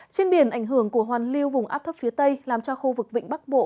trên biển ảnh hưởng của hoàn lưu vùng áp thấp phía tây làm cho khu vực vịnh bắc bộ